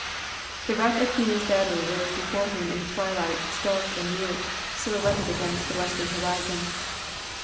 The wreck of Keenan*s battery rose before him in the twilight, stark and mute, silhouetted against the western horizon.